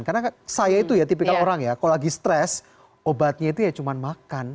karena saya itu ya tipikal orang ya kalau lagi stres obatnya itu ya cuma makan